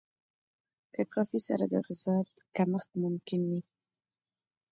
له کافي سره د غذایت کمښت ممکن وي.